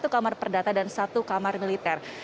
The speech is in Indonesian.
satu kamar perdata dan satu kamar militer